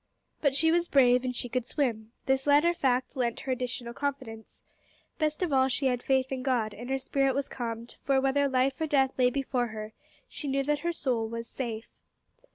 But she was brave, and she could swim. This latter fact lent her additional confidence. Best of all, she had faith in God, and her spirit was calmed, for, whether life or death lay before her, she knew that her soul was "safe."